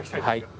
はい。